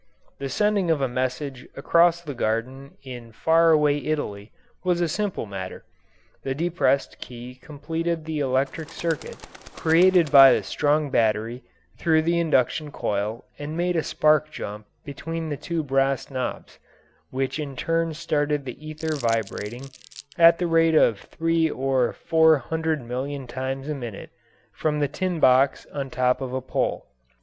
The sending of a message across the garden in far away Italy was a simple matter the depressed key completed the electric circuit created by a strong battery through the induction coil and made a spark jump between the two brass knobs, which in turn started the ether vibrating at the rate of three or four hundred million times a minute from the tin box on top of a pole.